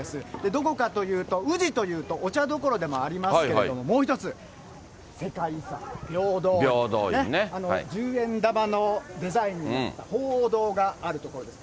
どこかというと、宇治というとお茶どころでもありますけれども、もう一つ、世界遺産、平等院、十円玉のデザインにもなった鳳凰堂がある所です。